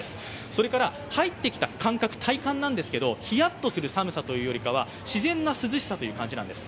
それから入ってきた感覚、体感なんですけどもヒヤッとする寒さよりは、自然な涼しさという感じなんです。